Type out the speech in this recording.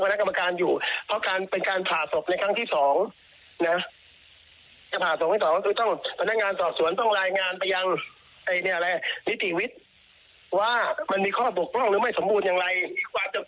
ว่าจะเป็นอะไรต้องผ่าศพ